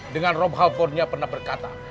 dengan robhalpurnia pernah berkata